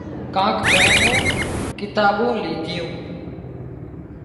ڪانڪ پئينُون ڪتاٻُون ليڌيون